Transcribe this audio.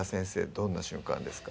どんな瞬間ですか？